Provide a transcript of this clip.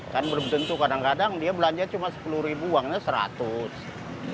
kan belum tentu kadang kadang dia belanja cuma rp sepuluh uangnya rp seratus